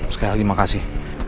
sekali lagi makasih